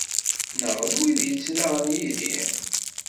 Nnaɣ d wid yettnaɣen yid-i!